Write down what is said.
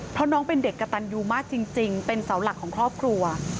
เพราะน้องเป็นเด็กกระตันยูมากจริงเป็นเสาหลักของครอบครัว